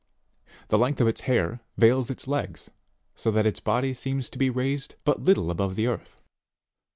The length of its hair veils its legs, so that its body seems to be raised but little above the earth.